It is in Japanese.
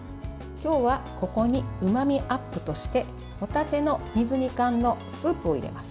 今日はここにうまみアップとしてホタテの水煮缶のスープを入れます。